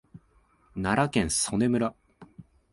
奈良県曽爾村